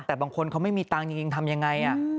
แต่บางคนเขาไม่มีตังค์จริงทำยังไง